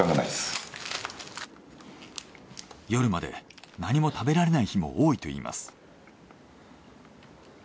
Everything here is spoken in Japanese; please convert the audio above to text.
夜まで何も食べられない日も多いといいます。